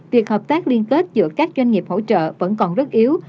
việc hợp tác liên kết giữa các doanh nghiệp hỗ trợ vẫn còn rất yếu